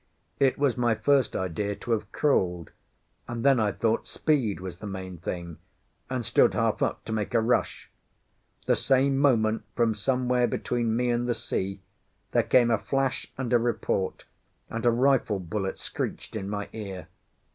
It was my first idea to have crawled, and then I thought speed was the main thing, and stood half up to make a rush. The same moment from somewhere between me and the sea there came a flash and a report, and a rifle bullet screeched in my ear.